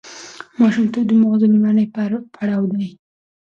ماشومتوب د ماغزو لومړنی پړاو دی.